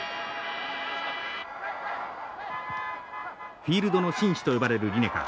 フィールドの紳士と呼ばれるリネカー。